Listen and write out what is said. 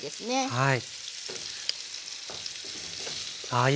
はい。